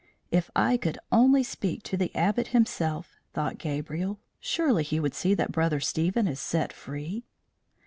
"If I could only speak to the Abbot himself," thought Gabriel, "surely he would see that Brother Stephen is set free!"